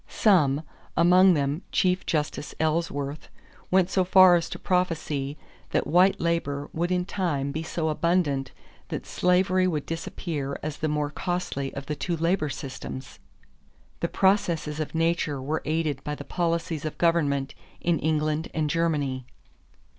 Some, among them Chief Justice Ellsworth, went so far as to prophesy that white labor would in time be so abundant that slavery would disappear as the more costly of the two labor systems. The processes of nature were aided by the policies of government in England and Germany.